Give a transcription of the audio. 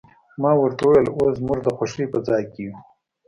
ما ورته وویل، اوس زموږ د خوښۍ په ځای کې یو.